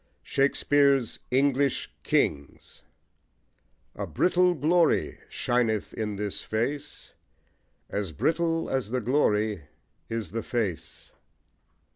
SHAKESPEARE'S ENGLISH KINGS A brittle glory shineth in this face: As brittle as the glory is the face.